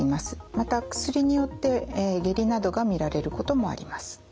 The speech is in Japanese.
また薬によって下痢などが見られることもあります。